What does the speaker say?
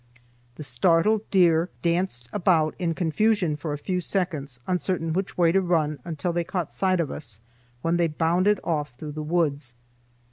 The startled deer danced about in confusion for a few seconds, uncertain which way to run until they caught sight of us, when they bounded off through the woods.